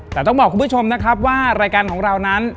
แต่ต้องบอกคุณผู้ชมนะครับว่ารายการของเรานั้น